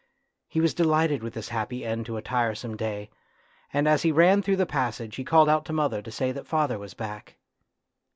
He was delighted with this happy end to a tiresome day, and as he ran through the passage he called out to mother to say that father was back.